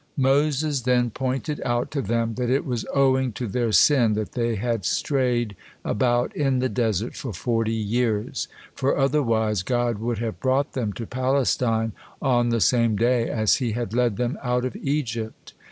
Moses then pointed out to them that it was owing to their sin that they had strayed about in the desert for forty years, for otherwise God would have brought them to Palestine on the same day as He had led them out of Egypt.